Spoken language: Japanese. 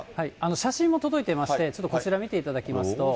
写真も届いてまして、ちょっとこちら見ていただきますと。